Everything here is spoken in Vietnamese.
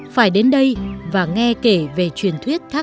phải đến đây và nghe kể về truyền thuyết thác năm mươi